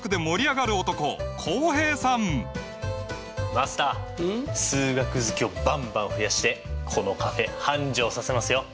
マスター数学好きをバンバン増やしてこのカフェ繁盛させますよ。